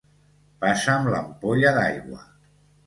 Passa'm l'ampolla d'aigua